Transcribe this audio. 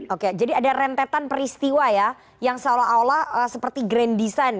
oke jadi ada rentetan peristiwa ya yang seolah olah seperti grand design